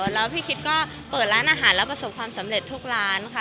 แล้วพี่คิดก็เปิดร้านอาหารแล้วประสบความสำเร็จทุกร้านค่ะ